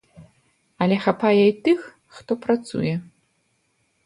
Але хапае і тых, хто працуе.